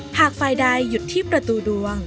หากฝ่ายใดหยุดที่ประตูดวง